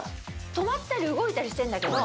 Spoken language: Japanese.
止まったり動いたりしてるんだけど。